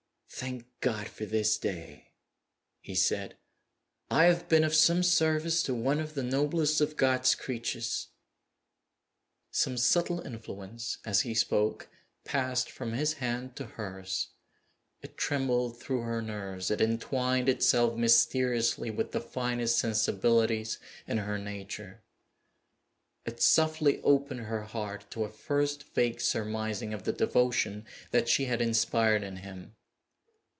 "Thank God for this day!" he said. "I have been of some service to one of the noblest of God's creatures!" Some subtle influence, as he spoke, passed from his hand to hers. It trembled through her nerves; it entwined itself mysteriously with the finest sensibilities in her nature; it softly opened her heart to a first vague surmising of the devotion that she had inspired in him.